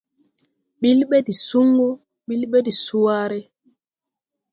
Bil ɓɛ de sungu, bil ɓɛ de sùwàare.